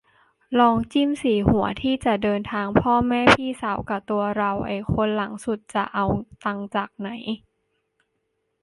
ลองจิ้มสี่หัวที่จะเดินทาง พ่อ แม่ พี่สาว กะตัวเรา ไอ้คนหลังสุดจะเอาตังค์จากไหน